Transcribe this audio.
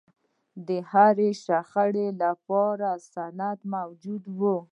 د هرې شخړې لپاره سند موجود و.